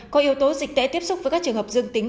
có yếu tố dịch tễ tiếp xúc với các trường hợp dương tính